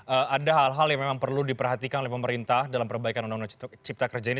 ada hal hal yang memang perlu diperhatikan oleh pemerintah dalam perbaikan undang undang cipta kerja ini